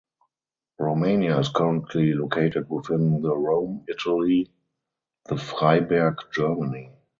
Romania is currently located within the Rome Italy the Freiberg Germany.